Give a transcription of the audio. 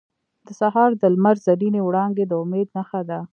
• د سهار د لمر زرینې وړانګې د امید نښه ده.